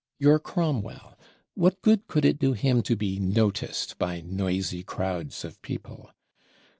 Your Cromwell, what good could it do him to be "noticed" by noisy crowds of people?